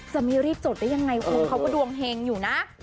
จะไม่รีบจดได้ยังไงคุณเขาก็ดวงเฮงอยู่นะ